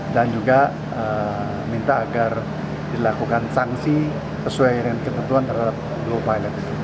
dan juga minta agar dilakukan sanksi sesuai dengan ketentuan terhadap pilot